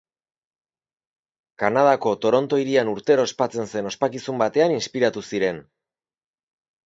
Kanadako Toronto hirian urtero ospatzen zen ospakizun batean inspiratu ziren.